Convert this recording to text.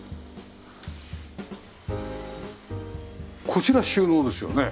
こちら収納ですよね。